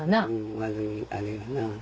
悪いあれがな。